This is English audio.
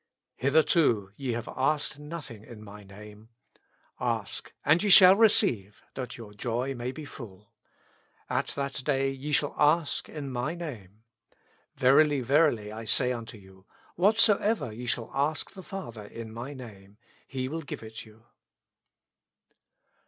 " Hith erto ye have asked nothing in my Name. Ask, and ye shall receive, that your joy may be full. At that 205 With Christ in the School of Prayer. day ye shall ask in my Name. Verily, verily I say unto you, Whatsoever ye shall ask the Father in my Name, He will give it you."